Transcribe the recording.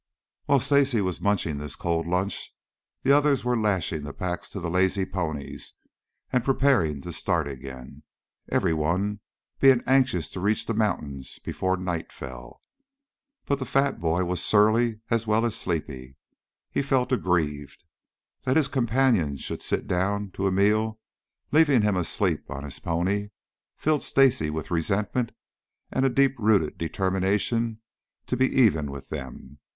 While Stacy was munching his cold lunch the others were lashing the packs to the lazy ponies and preparing to start again, every one being anxious to reach the mountains before night fell. But the fat boy was surly as well as sleepy. He felt aggrieved. That his companions should sit down to a meal, leaving him asleep on his pony, filled Stacy with resentment and a deep rooted determination to be even with them.